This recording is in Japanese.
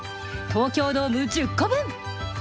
東京ドーム１０個分。